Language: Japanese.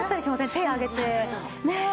手上げてねえ。